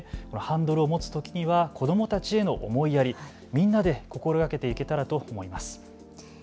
ハンドルを持つときには子どもたちへの思いやり、みんなで心がけていけたらと思います。